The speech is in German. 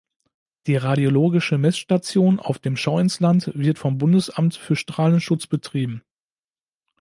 Die radiologische Messstation auf dem Schauinsland wird vom Bundesamt für Strahlenschutz betrieben.